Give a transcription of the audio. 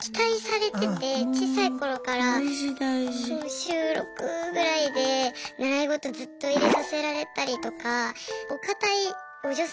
週６ぐらいで習い事ずっと入れさせられたりとかお堅いお嬢様